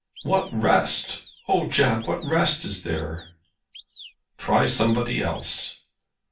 "What rest? Oh, Jack, what rest is there?" "Try somebody else."